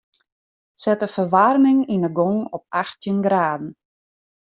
Set de ferwaarming yn 'e gong op achttjin graden.